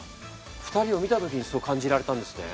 ２人を見た時にそう感じられたんですね。